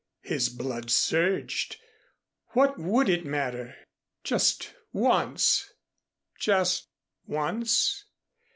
His blood surged. What would it matter just once? Just once!